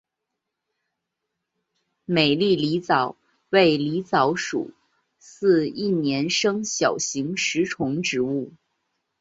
美丽狸藻为狸藻属似一年生小型食虫植物。